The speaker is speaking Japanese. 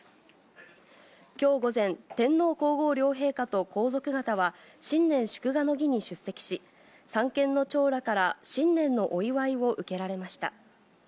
きょう午前、天皇皇后両陛下と皇族方は、新年祝賀の儀に出席し、三権の長らから新年のお祝いを受けられました。